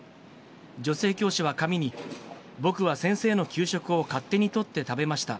女性教師は紙に、ぼくは先生の給食を勝手に取って食べました。